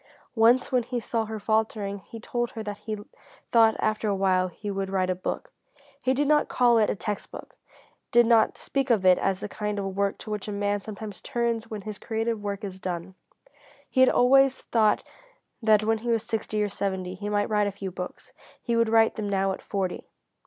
Once when he saw her faltering he told her that he thought after awhile he would write a book. He did not call it a text book; did not speak of it as the kind of work to which a man sometimes turns when his creative work is done. He had always thought that when he was sixty or seventy he might write a few books. He would write them now at forty.